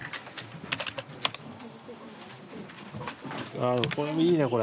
ああこれもいいねこれ。